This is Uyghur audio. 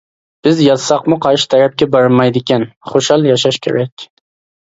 بىز يازساقمۇ قارشى تەرەپكە بارمايدىكەن. خۇشال ياشاش كېرەك!